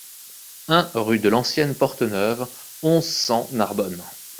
un rue de l'Ancienne Porte Neuve, onze, cent, Narbonne